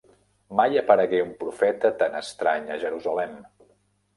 Mai aparegué un profeta tan estrany a Jerusalem.